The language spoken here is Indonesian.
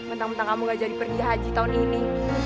mentang mentang kamu gak jadi pergi haji tahun ini